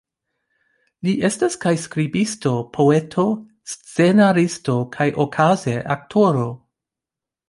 Li estas kaj skribisto, poeto, scenaristo kaj okaze aktoro.